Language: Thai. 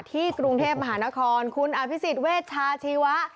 กรุงเทพมหานครคุณอภิษฎเวชาชีวะ